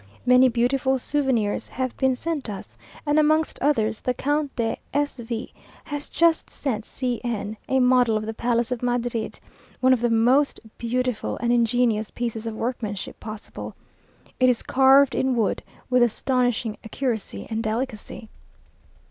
Many beautiful souvenirs have been sent us, and amongst others, the Count de S V has just sent C n a model of the palace of Madrid, one of the most beautiful and ingenious pieces of workmanship possible. It is carved in wood, with astonishing accuracy and delicacy.